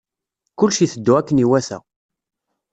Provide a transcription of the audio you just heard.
Kullec iteddu akken iwata.